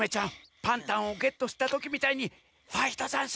パンタンをゲットしたときみたいにファイトざんす！